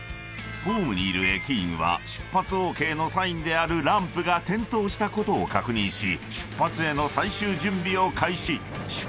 ［ホームにいる駅員は出発ＯＫのサインであるランプが点灯したことを確認し出発への最終準備を開始・出発］